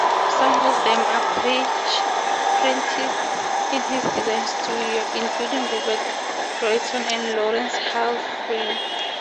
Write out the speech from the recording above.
Some of them apprenticed in his design studio, including Robert Royston and Lawrence Halprin.